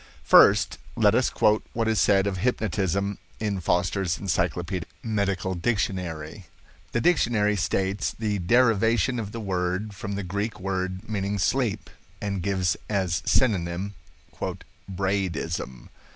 First let us quote what is said of hypnotism in Foster's Encyclopedic Medical Dictionary. The dictionary states the derivation of the word from the Greek word meaning sleep, and gives as synonym "Braidism".